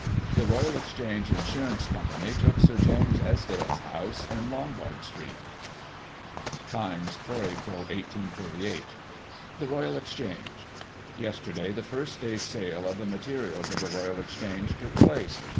The Royal Ex change Insurance Coy. took Sir James Esdaile's house, in Lombard Street. Times, 4 Ap., 1838: — "THE RoYAL EXCHANGE.— Yester day, the first day's sale of the materials of the Royal Exchange took place.